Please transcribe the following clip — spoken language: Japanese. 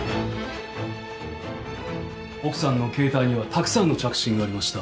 奥さんの携帯にはたくさんの着信がありました。